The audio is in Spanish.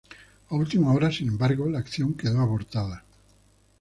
A última hora, sin embargo, la acción quedó abortada.